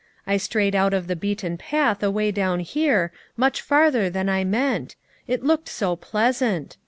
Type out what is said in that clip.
I strayed out of the beaten path away down here, much farther than I meant; it looked so pleasant.